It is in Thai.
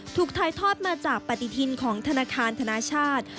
ถ่ายทอดมาจากปฏิทินของธนาคารธนาชาติ